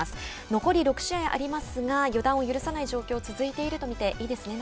残り６試合ありますが予断を許さない状況続いていると見ていいですね。